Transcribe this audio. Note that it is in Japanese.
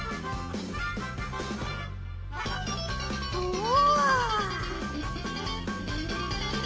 おお！